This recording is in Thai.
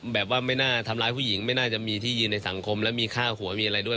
แบบว่าไม่น่าทำร้ายผู้หญิงไม่น่าจะมีที่ยืนในสังคมแล้วมีค่าหัวมีอะไรด้วย